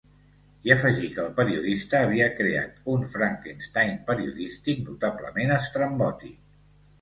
I afegí que el periodista havia creat un ‘Frankestein periodístic notablement estrambòtic’.